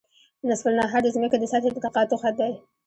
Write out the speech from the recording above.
نصف النهار د ځمکې د سطحې د تقاطع خط دی